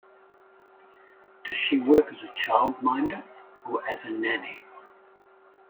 Does she work as a childminder or as a nanny?